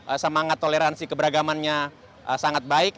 dan kemudian semangat toleransi keberagamannya sangat banyak